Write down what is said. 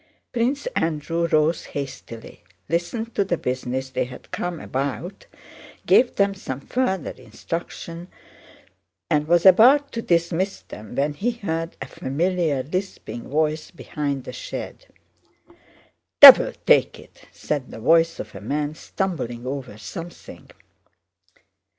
Prince Andrew rose hastily, listened to the business they had come about, gave them some further instructions, and was about to dismiss them when he heard a familiar, lisping, voice behind the shed. "Devil take it!" said the voice of a man stumbling over something.